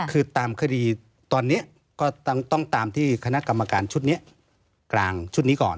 คือตามคดีตอนนี้ก็ต้องตามที่คณะกรรมการชุดนี้กลางชุดนี้ก่อน